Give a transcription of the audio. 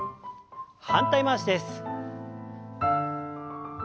反対回しです。